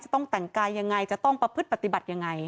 ต้องแต่งกายยังไงจะต้องประพฤติปฏิบัติยังไง